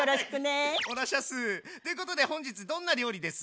オナシャス！ということで本日どんな料理です？